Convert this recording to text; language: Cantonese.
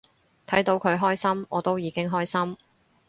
睇到佢開心我都已經開心